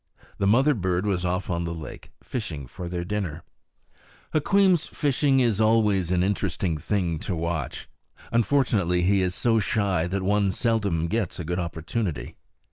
The mother bird was off on the lake, fishing for their dinner. Hukweem's fishing is always an interesting thing to watch. Unfortunately he is so shy that one seldom gets a good opportunity.